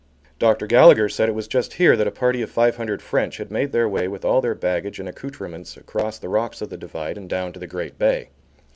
Dr. Gallagher said that it was just here that a party of five hundred French had made their way with all their baggage and accoutrements across the rocks of the divide and down to the Great Bay.